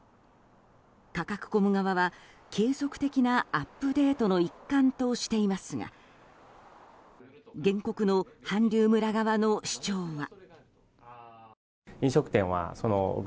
カカクコム側は継続的なアップデートの一環としていますが原告の韓流村側の主張は。